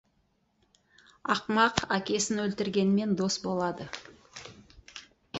Ақымақ әкесін өлтіргенмен дос болады.